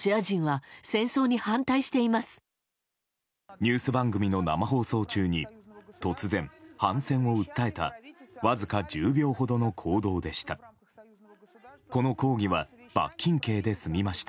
ニュース番組の生放送中に突然、反戦を訴えたわずか１０秒ほどの行動でした。